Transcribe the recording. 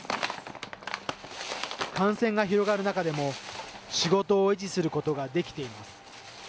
感染が広がる中でも、仕事を維持することができています。